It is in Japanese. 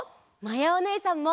まやおねえさんも。